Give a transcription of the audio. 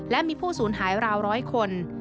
และมีผู้สูญหายราวร้อยคน